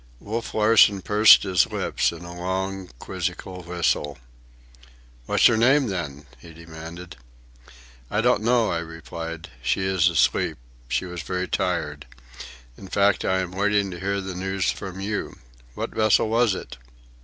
Wolf Larsen pursed his lips in a long, quizzical whistle. "What's her name, then?" he demanded. "I don't know," I replied. "She is asleep. She was very tired. In fact, I am waiting to hear the news from you. What vessel was it?"